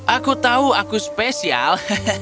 aku tahu aku spesial